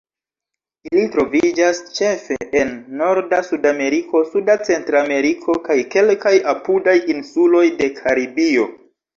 Ili troviĝas ĉefe en norda Sudameriko, suda Centrameriko, kaj kelkaj apudaj insuloj de Karibio.